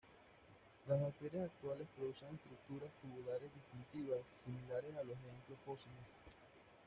Las bacterias actuales producen estructuras tubulares distintivas, similares a los ejemplos fósiles.